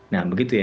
nah begitu ya